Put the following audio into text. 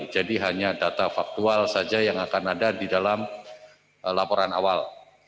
jadi hanya data faktual saja yang akan ada di dalam laporan awal